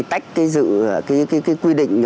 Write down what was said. tách cái quy định